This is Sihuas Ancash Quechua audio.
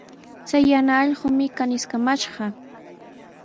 Chay yana allqumi kaniskamashqa.